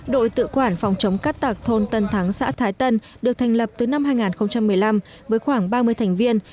đội tự quản phòng chống cát tạc thôn tân thắng xã thái tân được thành lập từ năm hai nghìn một mươi năm với khoảng ba mươi thành viên